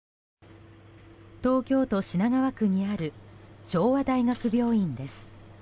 東京都品川区にある昭和大学病院です。